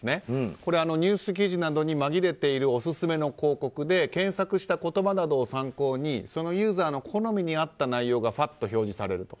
これはニュース記事などに紛れているオススメの広告で検索した言葉などを参考にそのユーザーの好みに合った内容が表示されると。